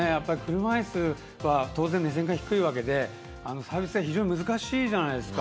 車いすは当然、目線が低いわけでサービス非常に難しいじゃないですか。